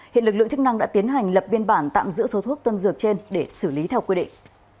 hiện lực lượng chức năng đã tiến hành lập biên bản tạm giữ số thuốc tân dược trên để xử lý theo quy định